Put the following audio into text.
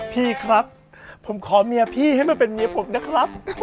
พี่ครับผมขอเมียพี่ให้มาเป็นเมียผมนะครับ